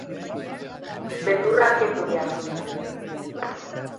Beldurra kendu behar dut.